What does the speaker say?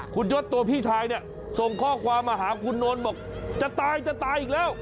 คุณยศตัวพี่ชายเนี่ยส่งข้อความมาหาคุณนนท์บอกจะตายจะตายอีกแล้ว